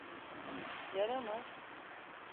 Yara mı?